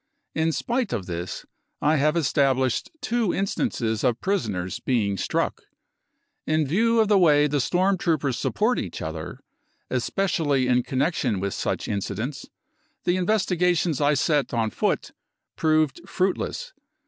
In spite of this I have established two instances of prisons being struck. In view of the way the storm troopers support each other, especially in connection with such incidents, the investigations I set i on foot proved fruitless.